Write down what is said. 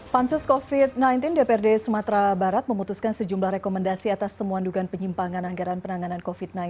pansus covid sembilan belas dprd sumatera barat memutuskan sejumlah rekomendasi atas temuan dugaan penyimpangan anggaran penanganan covid sembilan belas